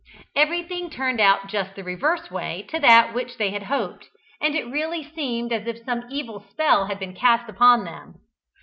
Everything turned out just the reverse way to that which they had hoped, and it really seemed as if some evil spell had been cast upon them.